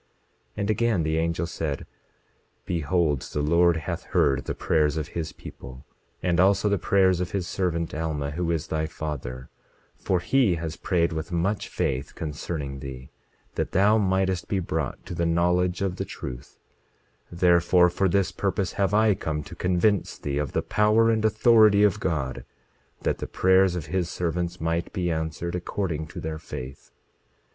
27:14 And again, the angel said: Behold, the Lord hath heard the prayers of his people, and also the prayers of his servant, Alma, who is thy father; for he has prayed with much faith concerning thee that thou mightest be brought to the knowledge of the truth; therefore, for this purpose have I come to convince thee of the power and authority of God, that the prayers of his servants might be answered according to their faith.